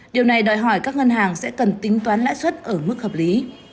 điều này đòi hỏi các ngân hàng sẽ cần tính toán lãi suất ở mức hợp lý